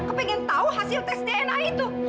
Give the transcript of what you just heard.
kepengen tahu hasil tes dna itu